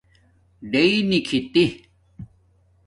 ڈیئ نکھِتی